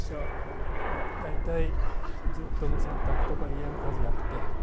大体ずっと洗濯とか家の家事やって。